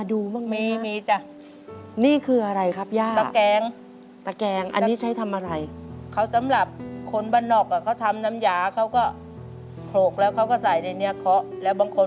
เล็กน้อยนะครับพี่เปียมาถึงที่เปียบ้างถามเรื่องเส้นเลือดสมองก่อน